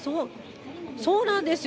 そうなんですよ。